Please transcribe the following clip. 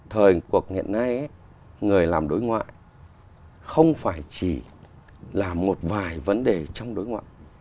thời cuộc hiện nay người làm đối ngoại không phải chỉ làm một vài vấn đề trong đối ngoại